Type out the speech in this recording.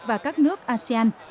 và các nước asean